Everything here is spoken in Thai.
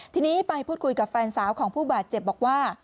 ทีนี้ไปพูดคุยกับแฟนสาวของผู้บาดเจ็บบอกว่า